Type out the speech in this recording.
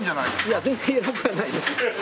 いや全然偉くはないです。